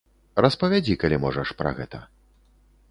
Распавядзі, калі можаш, пра гэта.